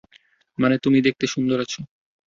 মানে, তুমি দেখতে সুন্দর আছ।